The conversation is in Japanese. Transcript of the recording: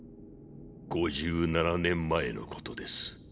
５７年前のことです。